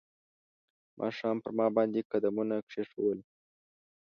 ماښام پر ما باندې قدمونه کښېښول